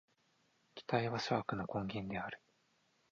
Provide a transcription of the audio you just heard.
期待は諸悪の根源である。